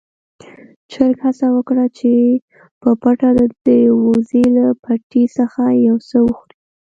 چرګ هڅه وکړه چې په پټه د وزې له پټي څخه يو څه وخوري.